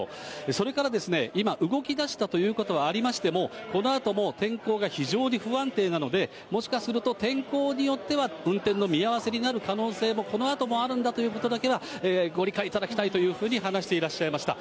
それからですね、今、動き出したということはありましても、このあとも天候が非常に不安定なので、もしかすると天候によっては運転の見合わせになる可能性もこのあともあるんだということだけはご理解いただきたいというふうに話していらっしゃいました。